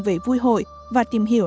về vui hội và tìm hiểu